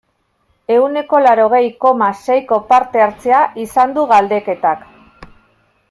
Ehuneko laurogei, koma, seiko parte-hartzea izan du galdeketak.